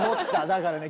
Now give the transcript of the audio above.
だからね